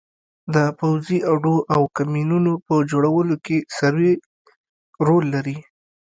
د پوځي اډو او کمینونو په جوړولو کې سروې رول لري